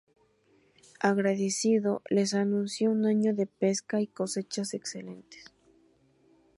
Agradecido, les anunció un año de pesca y cosechas excelentes.